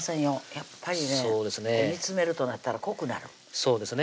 やっぱりね煮詰めるとなったら濃くなるそうですね